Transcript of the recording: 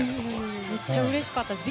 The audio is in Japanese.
めっちゃうれしかったです。